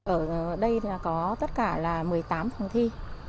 ở đây là có tất cả là một mươi tám phòng thi